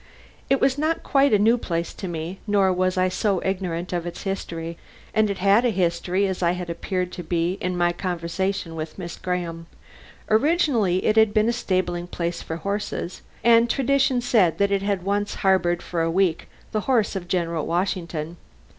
It was not quite a new place to me, nor was I so ignorant of its history (and it had a history) as I had appeared to be in my conversation with Miss Graham). Originally it had been a stabling place for horses; and tradition said that it had once harbored for a week the horse of General Washington.